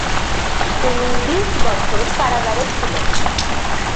তিনি বিশ বছর কারাগারে ছিলেন।